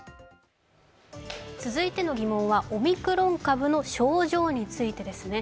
続いての疑問はオミクロン株の症状についてです。